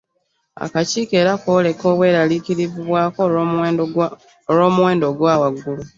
Akakiiko era kooleka obweraliikirivu bwako olw’omuwendo ogwa waggulu.